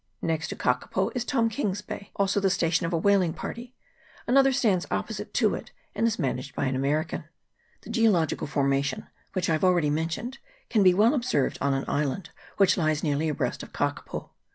Next to Kakapo is Tom King's Bay, also the station of a whaling party ; another stands opposite to it, and is managed by an American. The geological formation, which I have already mentioned, can be well observed on an island which lies nearly abreast of Kakapo.